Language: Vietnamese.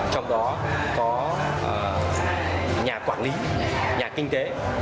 trong đó có nhà quản lý nhà kinh tế